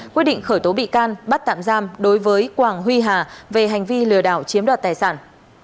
quyết định khởi tố bị can bắt tạm giam đối với quảng huy hà về hành vi lừa đảo chiếm đoạt tài sản